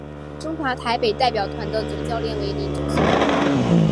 中华台北代表团的总教练为林忠雄。